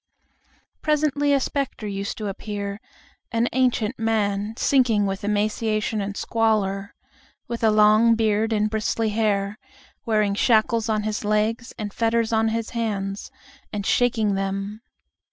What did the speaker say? Presently a specter used to appear, an ancient man sinking with emaciation and squalor, with a long beard and bristly hair, wearing shackles on his legs and fetters on his hands, and shaking them.